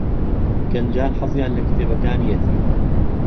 گەنجان حەزیان لە کتێبەکانیەتی.